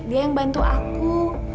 dia yang bantu aku